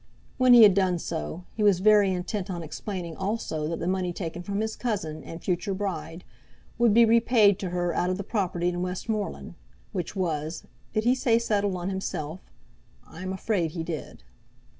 When he had done so, he was very intent on explaining also that the money taken from his cousin, and future bride, would be repaid to her out of the property in Westmoreland, which was, did he say settled on himself? I am afraid he did.